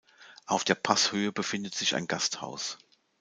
Auf der Passhöhe befindet sich ein Gasthaus.